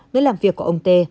nơi làm việc của ông tê